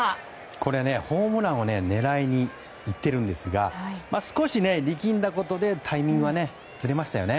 これ、ホームランを狙いにいっているんですが少し力んだことでタイミングがずれましたよね。